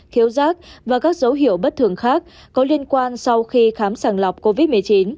khiếu giác và các dấu hiệu bất thường khác có liên quan sau khi khám sàng lọc covid